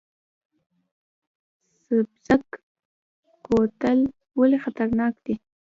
سبزک کوتل ولې خطرناک دی؟